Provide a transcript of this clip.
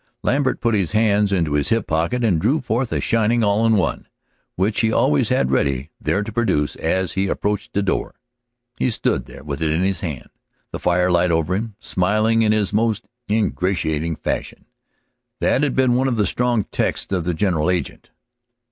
Lambert put his hand into his hip pocket and drew forth a shining All in One, which he always had ready there to produce as he approached a door. He stood there with it in his hand, the firelight over him, smiling in his most ingratiating fashion. That had been one of the strong texts of the general agent.